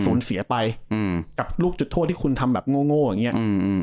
สูญเสียไปอืมกับลูกจุดโทษที่คุณทำแบบโง่อย่างนี้